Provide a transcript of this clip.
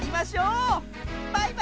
バイバーイ！